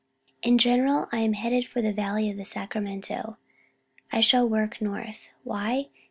In general I am headed for the valley of the Sacramento. I shall work north. Why?